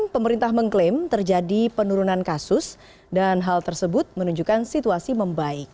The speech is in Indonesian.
pemerintah mengklaim terjadi penurunan kasus dan hal tersebut menunjukkan situasi membaik